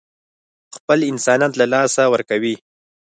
خپل انسانيت له لاسه ورکوي.